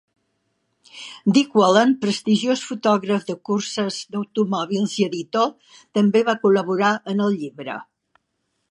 Dick Wallen, prestigiós fotògraf de curses d'automòbils i editor, també va col·laborar en el llibre.